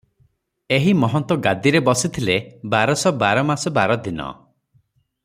ଏହି ମହନ୍ତ ଗାଦିରେ ବସିଥିଲେ - ବାରଶ ବାର ମାସ ବାର ଦିନ ।